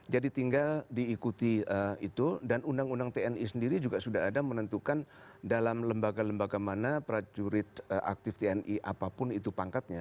jadi tinggal diikuti itu dan undang undang tni sendiri juga sudah ada menentukan dalam lembaga lembaga mana prajurit aktif tni apapun itu pangkatnya